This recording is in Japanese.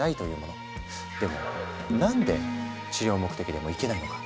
でも何で治療目的でもいけないのか？